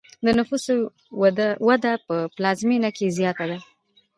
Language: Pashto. د نفوسو وده په پلازمینه کې زیاته ده.